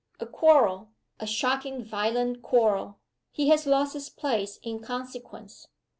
A quarrel, a shocking, violent quarrel. He has lost his place in consequence.